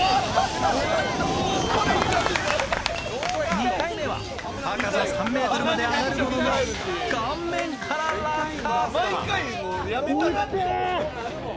２回目は高さ３ｍまで上がるものの顔面から落下。